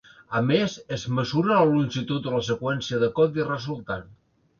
A més, es mesura la longitud de la seqüència de codi resultant.